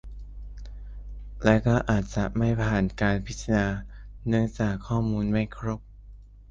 และก็อาจจะไม่ผ่านการพิจารณาเนื่องจากข้อมูลไม่ครบ